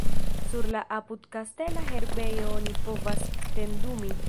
Sur la apud-kastela herbejo oni povas tendumi.